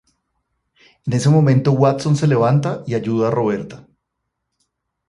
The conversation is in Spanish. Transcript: En ese momento Watson se levanta y ayuda a Roberta.